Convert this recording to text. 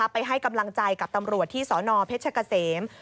ไปให้กำลังใจกับตำรวจที่สนเพชรเกษม